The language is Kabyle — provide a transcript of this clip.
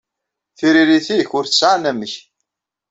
Tiririt-nnek ur tesɛi anamek.